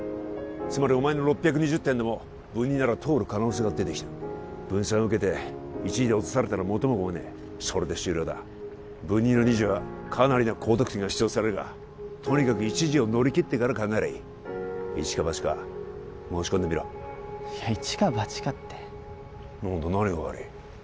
つまりお前の６２０点でも文２なら通る可能性が出てきた文３受けて１次で落とされたら元も子もねえそれで終了だ文２の２次はかなりの高得点が必要とされるがとにかく１次を乗り切ってから考えりゃいいイチかバチか申し込んでみろイチかバチかって何だ何が悪い？